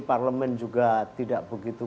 parlemen juga tidak begitu